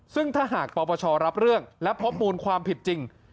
ซึ่งถ้าหากปปชรับเรื่องและพบมูลความผิดจริง